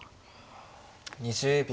２０秒。